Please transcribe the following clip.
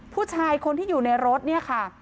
ผู้ชายคนที่อยู่ในรถเนี่ยค่ะ